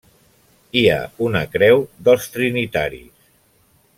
Hi ha una creu dels trinitaris.